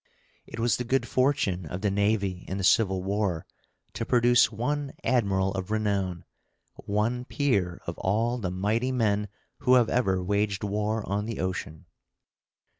It was the good fortune of the navy in the Civil War to produce one admiral of renown, one peer of all the mighty men who have ever waged war on the ocean.